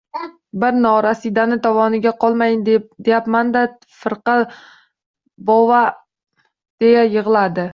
— Bir norasidani tovoniga qolmayin deyapman-da, firqa bova, — deya yig‘ladi.